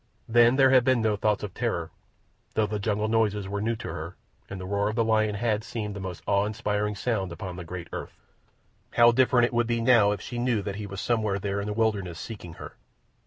Then there had been no thoughts of terror, though the jungle noises were new to her, and the roar of a lion had seemed the most awe inspiring sound upon the great earth. How different would it be now if she knew that he was somewhere there in the wilderness, seeking her!